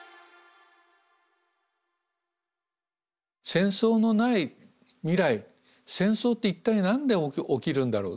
戦争のない未来戦争って一体何で起きるんだろう？